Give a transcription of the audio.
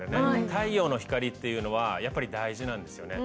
太陽の光っていうのはやっぱり大事なんですよね。